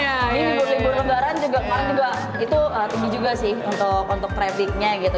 iya libur lebaran juga kemarin juga itu tinggi juga sih untuk trafficnya gitu